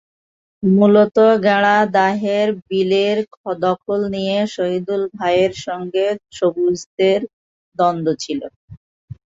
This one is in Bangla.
মূলত গ্যাড়াদাহের বিলের দখল নিয়ে শহিদুল ভাইয়ের সঙ্গে সবুজদের দ্বন্দ্ব ছিল।